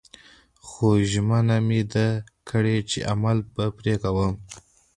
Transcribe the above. خو ژمنه مې ده کړې چې عمل به پرې کوم